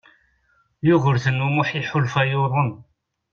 Yugurten U Muḥ iḥulfa yuḍen.